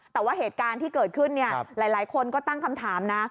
แต่ว่าเหตุการณ์ที่เกิดขึ้นหลายคนก็ตั้งคำถามนะ